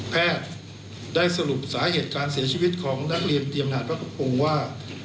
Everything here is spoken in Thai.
แพทย์ได้สรุปสาเหตุการเสียชีวิตของนักเรียนเตรียมหาดพระกระพงศ์ว่า